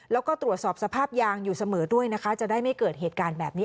แล้วก็ตรวจสอบสภาพยางอยู่เสมอด้วยนะคะจะได้ไม่เกิดเหตุการณ์แบบนี้